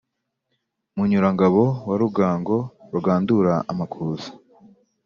munyurangabo wa rugango, rugandura amakuza,